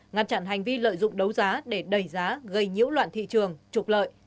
ngăn chặn hành vi lợi dụng đấu giá để đẩy giá gây nhiễu loạn thị trường trục lợi